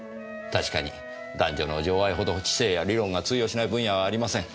確かに男女の情愛ほど知性や理論が通用しない分野はありません。